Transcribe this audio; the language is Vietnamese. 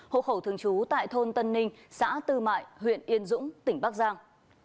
hộ khẩu thường trú tại thôn tân ninh xã tư mại huyện yên dũng tỉnh bắc giang